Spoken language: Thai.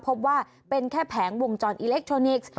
พบว่าเป็นแค่แผงวงจรอิเล็กทรอนิกส์